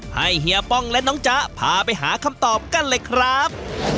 เฮียป้องและน้องจ๊ะพาไปหาคำตอบกันเลยครับ